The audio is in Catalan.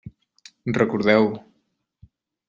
Recordeu-ho.